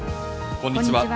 こんにちは。